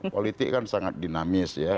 politik kan sangat dinamis ya